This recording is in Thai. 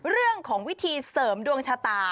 เรื่องของวิธีเสริมดวงชะตา